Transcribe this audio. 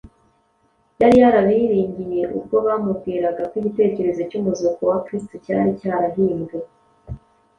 Yari yarabiringiye ubwo bamubwiraga ko igitekerezo cy’umuzuko wa Kristo cyari cyarahimbwe